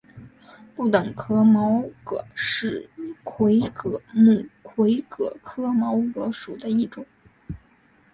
不等壳毛蚶是魁蛤目魁蛤科毛蚶属的一种。